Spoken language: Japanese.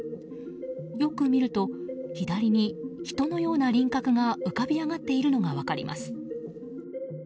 よく見ると左に人のような輪郭が浮かび上がっているのが分かります。